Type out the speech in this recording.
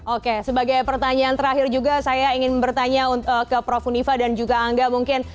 oke sebagai pertanyaan terakhir juga saya ingin bertanya ke prof univa dan juga angga mungkin